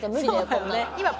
こんなの。